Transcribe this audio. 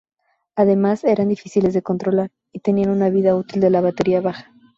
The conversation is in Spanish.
Además, eran difíciles de controlar y tenían una vida útil de la batería baja.